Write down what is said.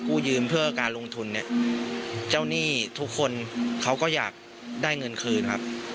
กู้ยืมเพื่อการลงทุนเนี่ยเจ้าหนี้ทุกคนเขาก็อยากได้เงินคืนครับ